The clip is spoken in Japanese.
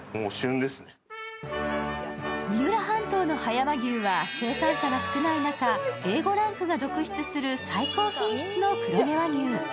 三浦半島の葉山牛は生産者が少ない中、Ａ５ランクが続出する最高品質の黒毛和牛。